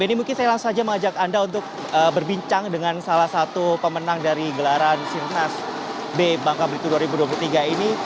ini mungkin saya langsung saja mengajak anda untuk berbincang dengan salah satu pemenang dari gelaran sirnas b bangka belitung dua ribu dua puluh tiga ini